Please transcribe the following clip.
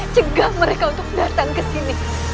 cegah mereka untuk datang kesini